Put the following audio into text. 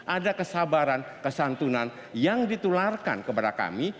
ada kesabaran kesantunan yang ditularkan kepada kami